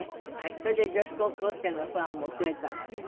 それで女子高校生のファンも増えたんですって？